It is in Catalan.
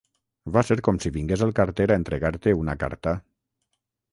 Va ser com si vingués el carter a entregar-te una carta.